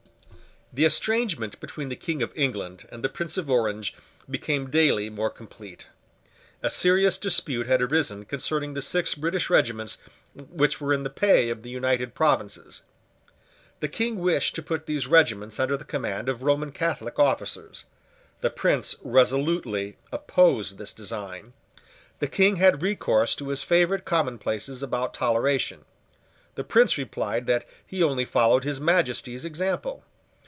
The estrangement between the King of England and the Prince of Orange became daily more complete. A serious dispute had arisen concerning the six British regiments which were in the pay of the United Provinces. The King wished to put these regiments under the command of Roman Catholic officers. The Prince resolutely opposed this design. The King had recourse to his favourite commonplaces about toleration. The Prince replied that he only followed his Majesty's example.